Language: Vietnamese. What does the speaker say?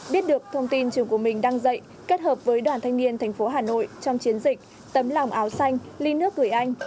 biết được thông tin trường của mình đang dạy kết hợp với đoàn thanh niên thành phố hà nội trong chiến dịch tấm lòng áo xanh ly nước gửi anh